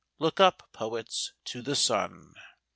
Look up, poets, to the sun